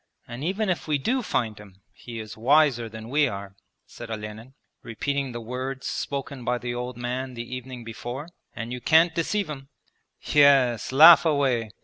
'And even if we do find him he is wiser than we are,' said Olenin, repeating the words spoken by the old man the evening before, 'and you can't deceive him!' 'Yes, laugh away!